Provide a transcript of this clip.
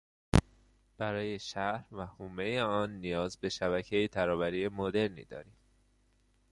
برای شهر و حومهی آن نیاز به شبکهی ترابری مدرنی داریم.